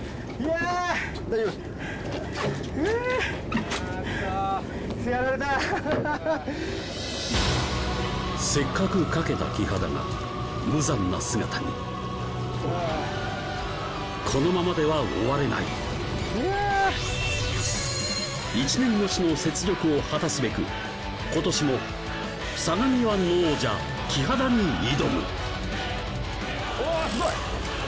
あクソやられたハハハせっかく掛けたキハダが無残な姿にこのままでは終われない一年越しの雪辱を果たすべくことしも相模湾の王者・キハダに挑むおおすごい！